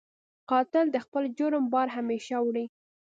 قاتل د خپل جرم بار همېشه وړي